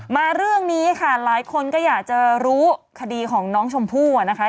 มาเรื่องนี้ค่ะหลายคนก็อยากจะรู้คดีของน้องชมพู่นะคะ